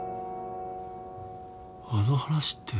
あの話って。